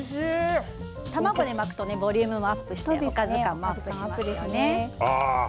卵で巻くとボリュームもアップしておかず感もアップしますね。